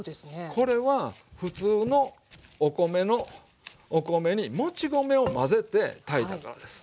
これは普通のお米にもち米を混ぜて炊いたからです。